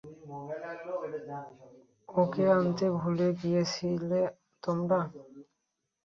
ওকে আনতে ভুলে গিয়েছিলে তোমরা?